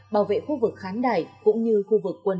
bảo vệ khu vực kháng đải cũng như khu vực quân